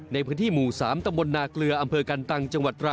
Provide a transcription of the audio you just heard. ในพื้นที่หมู่๓ตำบลนาเกลืออำเภอกันตังจังหวัดตรา